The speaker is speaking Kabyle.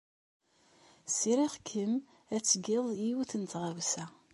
Sriɣ-kem ad tged yiwet n tɣawsa.